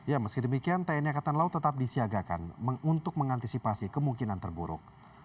ya meski demikian tni angkatan laut tetap disiagakan untuk mengantisipasi kemungkinan terburuk